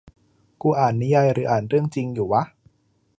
กูอ่านนิยายหรืออ่านเรื่องจริงอยู่วะ